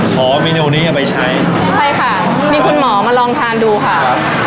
เมนูนี้เอาไปใช้ใช่ค่ะมีคุณหมอมาลองทานดูค่ะครับ